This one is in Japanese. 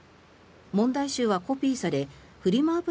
問題集はコピーされフリマ